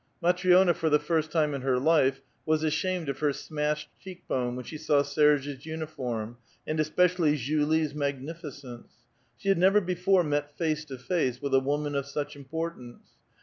Matri6na for the first time in her life was ashamed of her smashed cheek bone when she saw Serge's uniform, and especially Julie's magnificence ; she had never before met face to face with a woman of such importance.